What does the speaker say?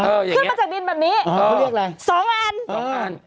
เอออย่างเงี้ยขึ้นมาจากดินแบบนี้อ๋อเขาเรียกอะไรสองอันสองอัน